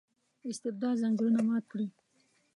استبداد ځنځیرونه مات کړي.